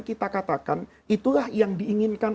kita katakan itulah yang diinginkan